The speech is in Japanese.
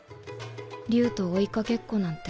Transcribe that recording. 竜と追いかけっこなんて